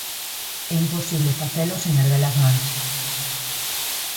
E imposible facelo sen erguer as mans.